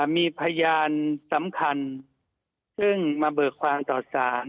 มีพยานสำคัญซึ่งมาเบิกความต่อสาร